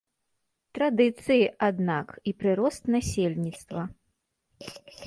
Традыцыі, аднак, і прырост насельніцтва.